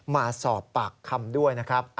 มาสอบปากคำด้วยนะครับ